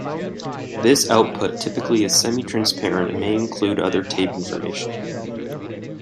This output typically is semi-transparent and may include other tape information.